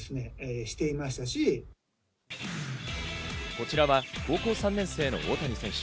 こちらは高校３年生の大谷選手。